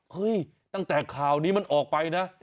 เฮ้ยตั้งแต่ข่าวนี้มันออกไปนะ